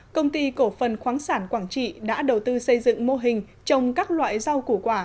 công ty cổ phần khoáng sản quảng trị đã đầu tư xây dựng mô hình trồng các loại rau củ quả